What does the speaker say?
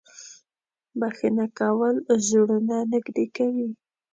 • بښنه کول زړونه نږدې کوي.